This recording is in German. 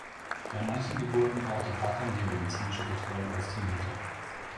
Bei manchen Geburten braucht der Vater mehr medizinische Betreuung als die Mutter.